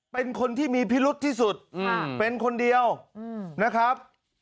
เป็นคนที่มีพิรุษที่สุดเป็นคนเดียวนะครับ